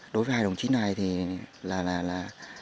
đối với hai đồng chí này thì là là là